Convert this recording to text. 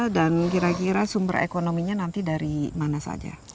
kira kira sumber ekonominya nanti dari mana saja